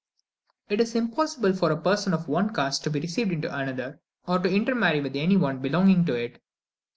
It is impossible for a person of one caste to be received into another, or to intermarry with any one belonging to it.